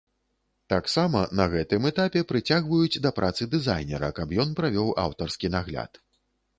Таксама, на гэтым этапе прыцягваюць да працы дызайнера, каб ён правёў аўтарскі нагляд.